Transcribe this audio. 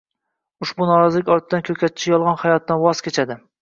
Ushbu norozilik ortidan ko‘katchi “yolg‘on hayot” dan voz kechadi